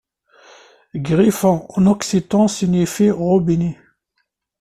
Grifon en occitan signifie robinet.